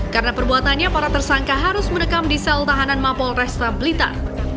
karena perbuatannya para tersangka harus menekam di sel tahanan mapol resta blitar